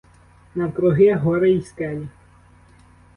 Навкруги гори й скелі.